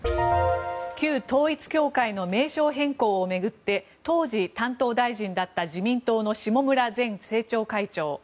旧統一教会の名称変更を巡って当時、担当大臣だった自民党の下村前政調会長。